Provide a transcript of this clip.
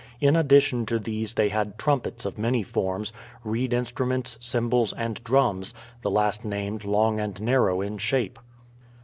In addition to these they had trumpets of many forms, reed instruments, cymbals, and drums, the last named long and narrow in shape.